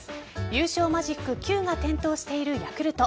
優勝マジック９が点灯しているヤクルト。